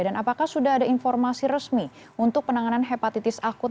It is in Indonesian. dan apakah sudah ada informasi resmi untuk penanganan hepatitis akut